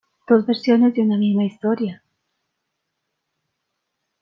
Dos versiones de una misma historia.